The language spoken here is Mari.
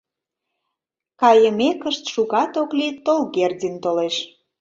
Кайымекышт, шукат ок лий, Толгердин толеш.